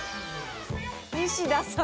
ニシダさん